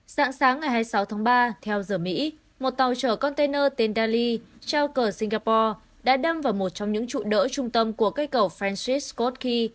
sáng sáng ngày hai mươi sáu tháng ba theo giờ mỹ một tàu chở container tên dali trao cờ singapore đã đâm vào một trong những trụ đỡ trung tâm của cây cầu franciscoty